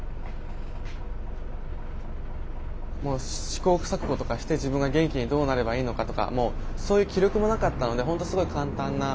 試行錯誤とかして自分が元気にどうなればいいのかとかそういう気力もなかったので本当すごい簡単な。